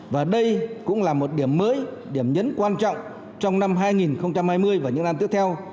và đây cũng là một điểm mới điểm nhấn quan trọng trong năm hai nghìn hai mươi và những năm tiếp theo